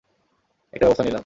একটা ব্যবস্থা নিলাম।